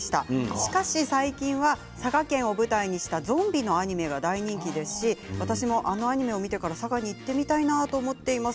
しかし最近は佐賀県が舞台のゾンビのアニメが大人気ですし、私もあのアニメを見てから佐賀に行ってみたいなと思っています。